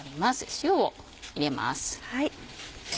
塩を入れます。